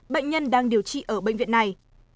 bệnh nhân đang điều trị ở bệnh viện này